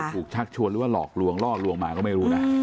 ชักชวนหรือว่าหลอกลวงล่อลวงมาก็ไม่รู้นะ